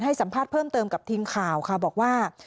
สัมภาษณ์เพิ่มเติมกับทีมข่าวค่ะบอกว่า